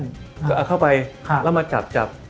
ก็เอาเข้าไปแล้วมาจับจับ